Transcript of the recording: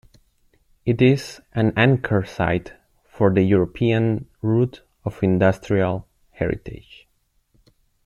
It is an anchor site for the European Route of Industrial Heritage.